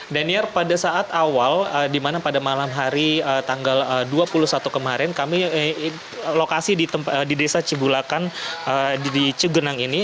daniar pada saat awal di mana pada malam hari tanggal dua puluh satu kemarin kami lokasi di desa cibulakan di cigenang ini